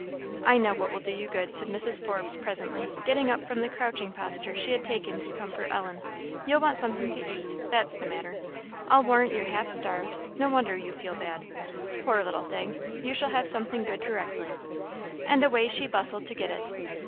"I know what will do you good," said Mrs. Forbes, presently, getting up from the crouching posture she had taken to comfort Ellen; "you want something to eat that's the matter. I'll warrant you're half starved; no wonder you feel bad. Poor little thing! you shall have something good directly." And away she bustled to get it.